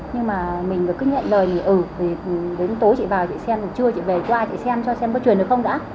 nhưng mà mình cứ nhận lời thì ừ đến tối chị vào chị xem trưa chị về qua chị xem cho xem có truyền được không đã